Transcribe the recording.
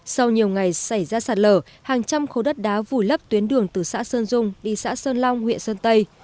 sau nhiều ngày xảy ra sạt lở hàng trăm khối đất đá vùi lấp tuyến đường từ xã sơn dung đi xã sơn long huyện sơn tây